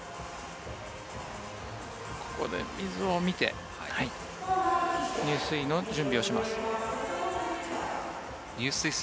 ここで水を見て入水の準備をします。